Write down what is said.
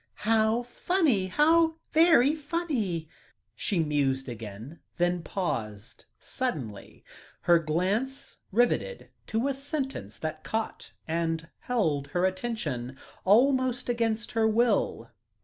"How funny how very funny!" she mused again; then paused suddenly, her glance riveted to a sentence that caught and held her attention, almost against her will.